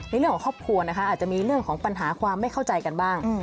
ในเรื่องของครอบครัวนะคะอาจจะมีเรื่องของปัญหาความไม่เข้าใจกันบ้าง